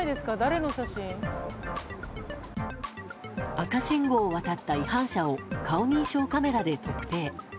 赤信号を渡った違反者を顔認証カメラで特定。